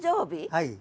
はい。